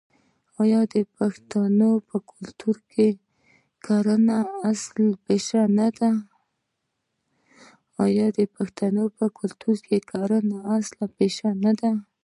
آیا د پښتنو په کلتور کې کرنه اصلي پیشه نه ده؟